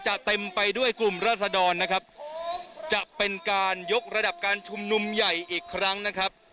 เต็มไปด้วยกลุ่มราศดรนะครับจะเป็นการยกระดับการชุมนุมใหญ่อีกครั้งนะครับ